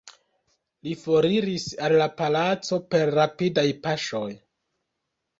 Li foriris al la palaco per rapidaj paŝoj.